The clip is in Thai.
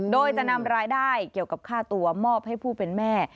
โดยจะนำรายได้เกี่ยวกับค่าตัวมอบให้ผู้เป็นแม่